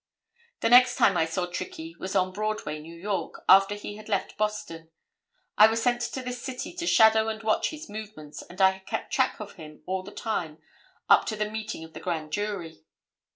The next time I saw Trickey was on Broadway, New York, after he had left Boston. I was sent to this city to shadow and watch his movements, and I had kept track of him all the time up to the meeting of the Grand Jury.